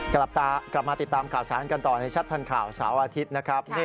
กลับมาติดตามข่าวสารกันต่อในชัดทันข่าวเสาร์อาทิตย์นะครับ